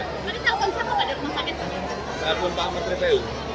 tapi tanggung siapa pada rumah sakit tadi